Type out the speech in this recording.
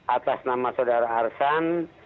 atas nama saudara arshan